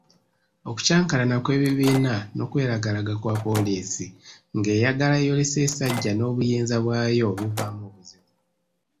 Okucankalana kw'ebibiina n'okweragalaga kwa poliisi ng'eyagala eyolese essajja n'obuyinza bwayo bivaamu obuzibu.